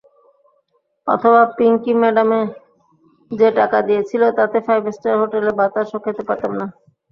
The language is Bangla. অথবা পিঙ্কি ম্যাডামে যে টাকা দিয়েছিল তাতে ফাইভ স্টার হোটেলে বাতাসও খেতে পারতাম না।